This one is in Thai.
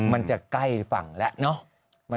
มันจะใกล้ฝั่งแล้ว